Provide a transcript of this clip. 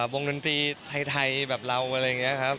วงดนตรีไทยแบบเราอะไรอย่างนี้ครับ